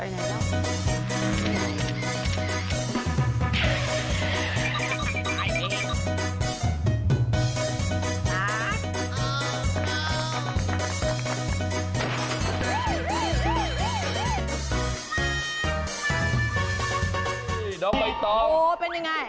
นี่น้องใบตองโอ้เป็นยังไง